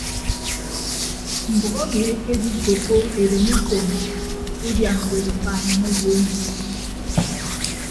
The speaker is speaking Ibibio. Mbʌk emi ekedikoppo edemusen udian ñwet ufa enyịñ owo emi.